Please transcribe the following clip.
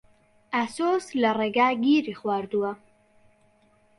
ئاسۆس لە ڕێگا گیری خواردووە.